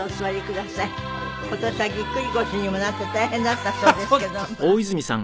今年はぎっくり腰にもなって大変だったそうですけどまあ。